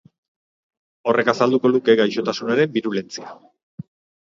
Horrek azalduko luke gaixotasunaren birulentzia.